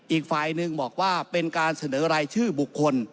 อีกฝ่ายหนึ่งบอกว่าเป็นการเสนอรายชื่อบุคคล